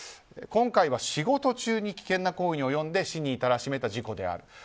今回は仕事中に危険な行為に及んで死に至らしめた事故である。